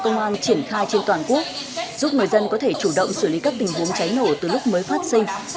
công an triển khai trên toàn quốc giúp người dân có thể chủ động xử lý các tình huống cháy nổ từ lúc mới phát sinh